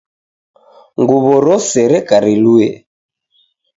Nguwo rose reka riluwe